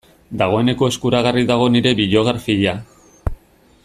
Dagoeneko eskuragarri dago nire biografia.